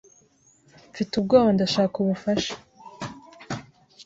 Mfite ubwoba ndashaka ubufasha